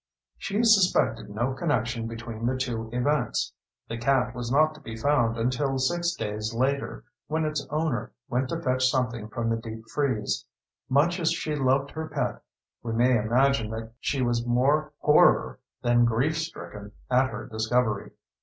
She suspected no connection between the two events. The cat was not to be found until six days later, when its owner went to fetch something from the deep freeze. Much as she loved her pet, we may imagine that she was more horror than grief stricken at her discovery.